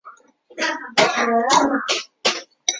把二溴甲烷释放于土壤中会使之蒸发及在土地中过滤。